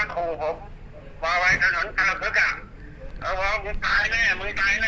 แล้วก็เตะรถผมไปเว้ยเว้ยเว้ยแล้วก็ปล่อยผู้หญิงลงมาแล้วก็กลับตามผมมา